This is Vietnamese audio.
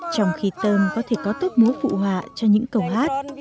trong khi tôm có thể có tước múa phụ họa cho những câu hát